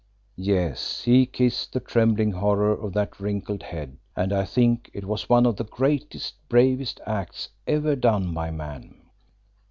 Yes, he kissed the trembling horror of that wrinkled head, and I think it was one of the greatest, bravest acts ever done by man.